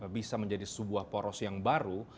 bisa menjadi sebuah poros yang baru